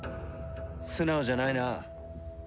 素直じゃないな。